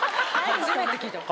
初めて聞いた。